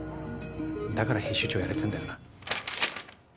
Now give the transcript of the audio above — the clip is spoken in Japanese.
だから編集長やれてんだよな。